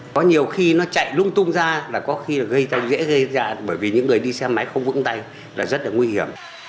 có nhiều khi nó chạy lung tung ra là có khi là gây ra dễ gây ra bởi vì những người đi xe máy không vững tay là rất là nguy hiểm